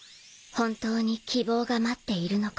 本当に希望が待っているのか